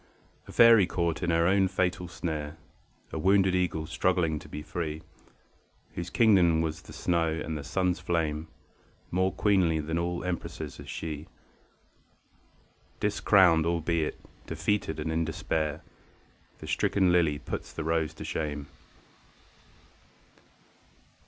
A faery caught in her own fatal snare, A wounded eagle struggling to be free, Whose Kingdom was the snow and the sun's flame More queenly than all empresses is she, Discrowned albeit, defeated and in despair; The stricken lily puts the rose to shame.